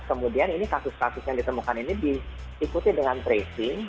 kemudian ini kasus kasus yang ditemukan ini diikuti dengan tracing